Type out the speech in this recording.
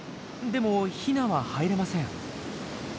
でもヒナは入れません。